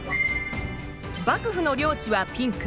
幕府の領地はピンク。